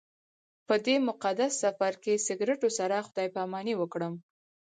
په دې مقدس سفر کې سګرټو سره خدای پاماني وکړم.